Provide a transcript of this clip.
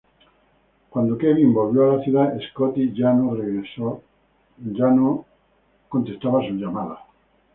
Cuando Kevin volvió a la ciudad, Scotty ya no regresaba sus llamadas.